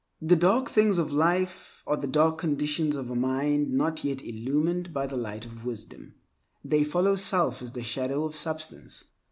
The dark things of life are the dark conditions of a mind not yet illuminated by the light of wisdom. They follow self as the shadow of substance.